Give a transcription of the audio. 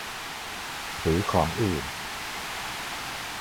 หรือของอื่น